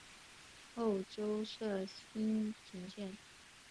后周设莘亭县。